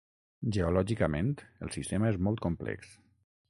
Geològicament el sistema és molt complex.